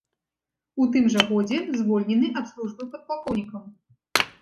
У тым жа годзе звольнены ад службы падпалкоўнікам.